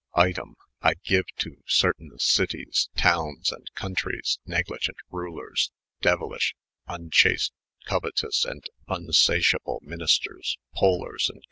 Item I geue to certayne Cities, Tonnes, and Conntreyes, , 'negligent mlera, denelysh, vnchast, coaetons, and msaciable ministers, pollers, and.